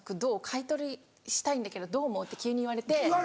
買い取りしたいんだけどどう思う？」って急に言われて。